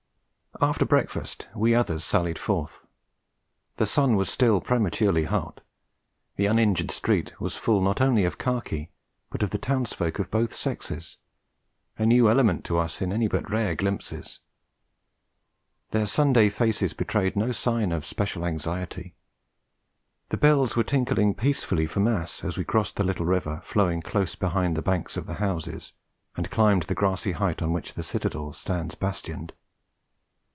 After breakfast we others sallied forth. The sun was still prematurely hot. The uninjured street was full not only of khaki, but of the townsfolk of both sexes, a new element to us in any but rare glimpses. Their Sunday faces betrayed no sign of special anxiety. The bells were tinkling peacefully for mass as we crossed the little river flowing close behind the backs of the houses, and climbed the grassy height on which the citadel stands bastioned.